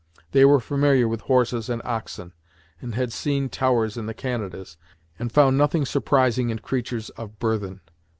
They were familiar with horses and oxen, and had seen towers in the Canadas, and found nothing surprising in creatures of burthen.